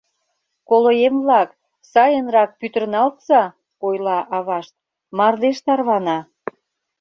Колоем-влак, сайынрак пӱтырналтса, — ойла авашт, — мардеж тарвана.